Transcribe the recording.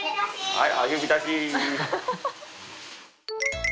はい！